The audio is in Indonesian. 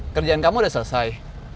kerjaan kamu udah selesai